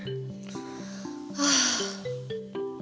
はあ。